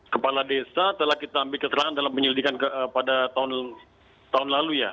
kepala desa telah kita ambil keterangan dalam penyelidikan pada tahun lalu ya